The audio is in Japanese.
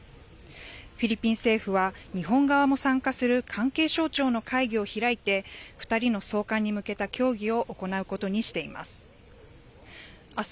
フィリピン政府は、日本側も参加する関係省庁の会議を開いて、２人の送還に向けた協議を行うことにしています。